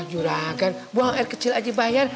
juragan buang air kecil aja bayar